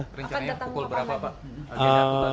rencananya pukul berapa pak